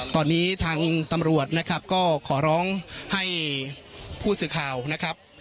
ตอนนี้ทางตำรวจนะครับก็ขอร้องให้ผู้สื่อข่าวนะครับ